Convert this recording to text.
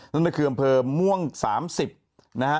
นั่นก็คืออำเภอม่วง๓๐นะฮะ